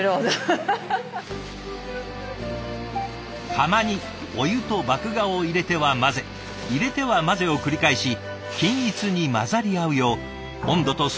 釜にお湯と麦芽を入れては混ぜ入れては混ぜを繰り返し均一に混ざり合うよう温度とスピードを見極めながら。